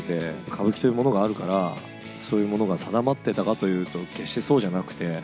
歌舞伎というものがあるから、そういうものが定まってたかというと、決してそうじゃなくて。